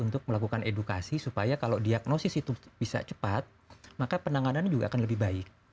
untuk melakukan edukasi supaya kalau diagnosis itu bisa cepat maka penanganan juga akan lebih baik